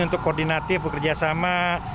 untuk koordinatif bekerja sama